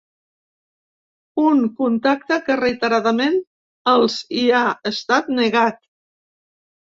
Un contacte que reiteradament els hi ha estat negat.